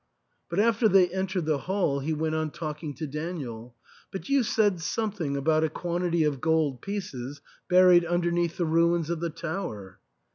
But after they entered the hall he went on talking to Daniel, " But you said something about a quantity of gold pieces buried underneath the ruins of the tower?"